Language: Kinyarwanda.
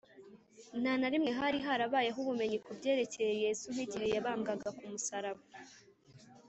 nta na rimwe hari harabayeho ubumenyi ku byerekeye yesu, nk’igihe yabambwaga ku musaraba